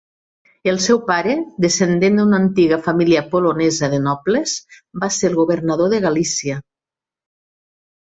El seu pare, descendent d'una antiga família polonesa de nobles, va ser el governador de Galícia.